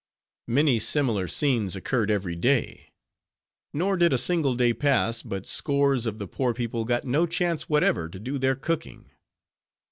Many similar scenes occurred every day; nor did a single day pass, but scores of the poor people got no chance whatever to do their cooking.